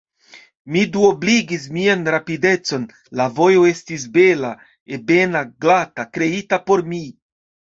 Mi duobligis mian rapidecon: la vojo estis bela, ebena, glata, kreita por mi.